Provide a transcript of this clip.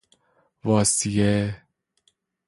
واصیه